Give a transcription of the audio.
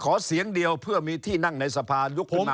ขอเสียงเดียวเพื่อมีที่นั่งในสะพานยุคขึ้นมาที่ปลาย